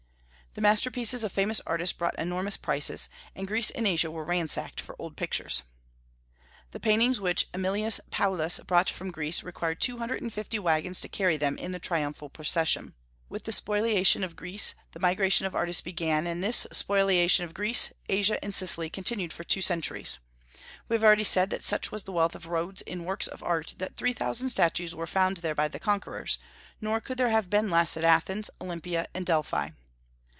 The masterpieces of famous artists brought enormous prices, and Greece and Asia were ransacked for old pictures. The paintings which Aemilius Paulus brought from Greece required two hundred and fifty wagons to carry them in the triumphal procession. With the spoliation of Greece, the migration of artists began; and this spoliation of Greece, Asia, and Sicily continued for two centuries. We have already said that such was the wealth of Rhodes in works of art that three thousand statues were found there by the conquerors; nor could there have been less at Athens, Olympia, and Delphi.